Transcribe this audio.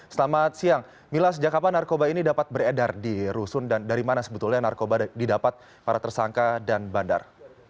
selamat siang mila sejak kapan narkoba ini dapat beredar di rusun dan dari mana sebetulnya narkoba didapat para tersangka dan bandar